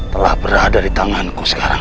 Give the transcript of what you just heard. telah berada di tanganku sekarang